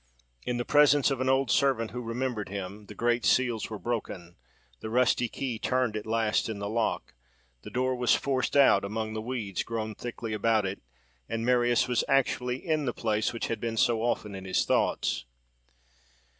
In the presence of an old servant who remembered him, the great seals were broken, the rusty key turned at last in the lock, the door was forced out among the weeds grown thickly about it, and Marius was actually in the place which had been so often in his thoughts.